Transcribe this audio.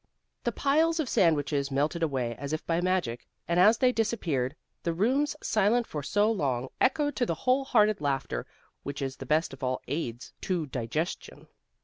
The piles of sandwiches melted away as if by magic, and as they disappeared, the rooms silent for so long, echoed to the whole hearted laughter which is the best of all aids to digestion.